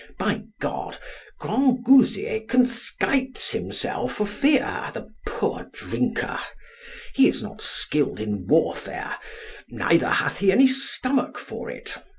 By G , Grangousier conskites himself for fear, the poor drinker. He is not skilled in warfare, nor hath he any stomach for it.